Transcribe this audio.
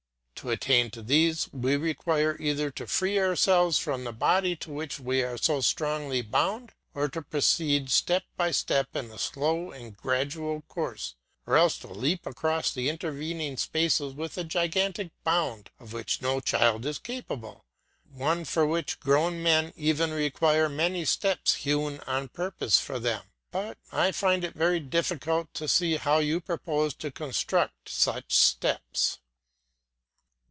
To attain to these we require either to free ourselves from the body to which we are so strongly bound, or to proceed step by step in a slow and gradual course, or else to leap across the intervening space with a gigantic bound of which no child is capable, one for which grown men even require many steps hewn on purpose for them; but I find it very difficult to see how you propose to construct such steps.